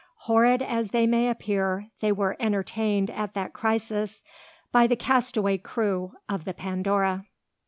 Horrid as they may appear, they were entertained at that crisis by the castaway crew of the Pandora!